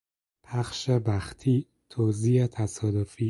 پخش بختی، توزیع تصادفی